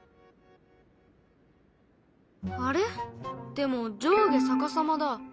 でも上下逆さまだ。